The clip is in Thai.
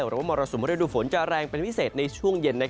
มรสุมฤดูฝนจะแรงเป็นพิเศษในช่วงเย็น